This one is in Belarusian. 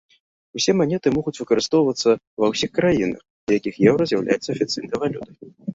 Усе манеты могуць выкарыстоўвацца ва ўсіх краінах, у якіх еўра з'яўляецца афіцыйнай валютай.